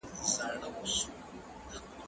زه به اوږده موده بازار ته تللی وم!.